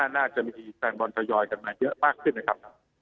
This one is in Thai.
น่าจะมีแฟนบอลทยอยกันมาเยอะมากขึ้นนะครับ